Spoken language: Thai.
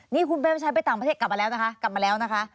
นี่คุณเตรียมชัยไปต่างประเทศกลับมาแล้วนะคะ